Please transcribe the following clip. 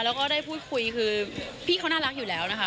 แล้วก็ได้พูดคุยคือพี่เขาน่ารักอยู่แล้วนะคะ